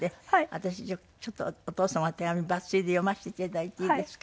私ちょっとお父様の手紙抜粋で読ませていただいていいですか？